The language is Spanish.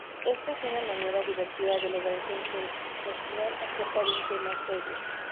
Esta es una manera divertida de lograr concientización acerca de un tema serio.